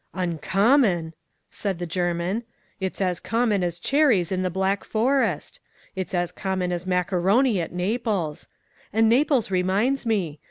'Uncommon!' said the German. 'It's as common as cherries in the Black Forest. It's as common as maccaroni at Naples. And Naples reminds me!